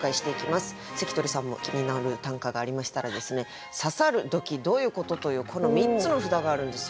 関取さんも気になる短歌がありましたらですね「刺さる」「ドキッ」「どういうこと？」というこの３つの札があるんですよ。